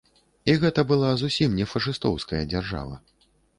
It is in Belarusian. І гэта была зусім не фашыстоўская дзяржава.